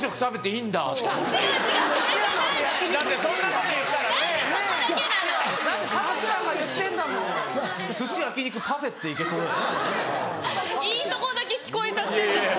いいとこだけ聞こえちゃって。